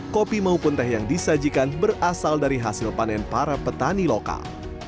kopi maupun teh yang disajikan berasal dari hasil panen para petani lokal